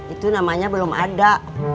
itu namanya belum ada